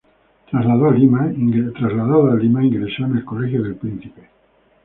Trasladado a Lima, ingresó en el colegio del Príncipe.